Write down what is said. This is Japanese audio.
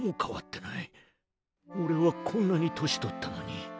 おれはこんなに年取ったのに。